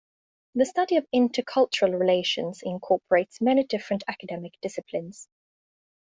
The study of intercultural relations incorporates many different academic disciplines.